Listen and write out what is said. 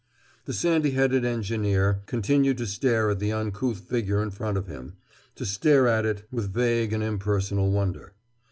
The sandy headed engineer continued to stare at the uncouth figure in front of him, to stare at it with vague and impersonal wonder.